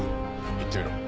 言ってみろ。